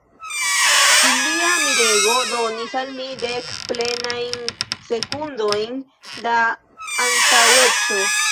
Ilia mirego donis al mi dek plenajn sekundojn da antaŭeco.